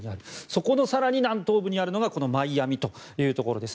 そこの更に南東部にあるのがマイアミというところです。